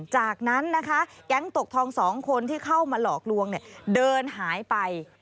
จากนั้นนะคะแก๊งตกทอง๒คนที่เข้ามาหลอกลวงเดินหายไป